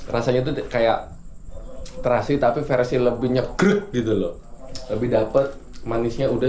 rasanya tuh kayak terasi tapi versi lebih nyeget gitu loh lebih dapet manisnya udah